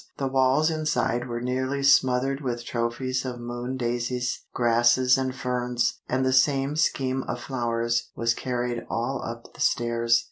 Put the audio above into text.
The walls inside were nearly smothered with trophies of moon daisies, grasses and ferns, and the same scheme of flowers was carried all up the stairs.